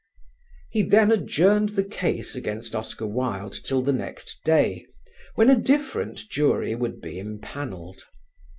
He then adjourned the case against Oscar Wilde till the next day, when a different jury would be impanelled.